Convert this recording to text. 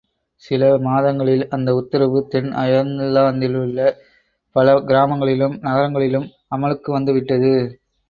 சில மாதங்களில் அந்த உத்தரவு தென் அயர்லாந்திலுள்ள பல கிராமங்களிலும் நகரங்களிலும் அமுலுக்கு வந்துவிட்டது.